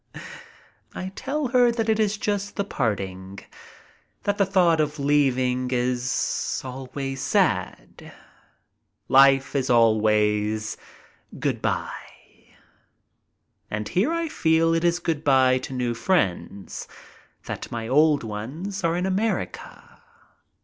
I tell her that it is just the parting — that the thought of leaving is always sad. Life is always "Good by." And here I feel it is good by to new friends, that my old ones ^are in America.